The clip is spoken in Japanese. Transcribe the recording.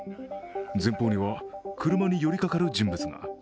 前方には車に寄りかかる人物が。